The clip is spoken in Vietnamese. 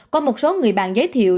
có một số người bạn giới thiệu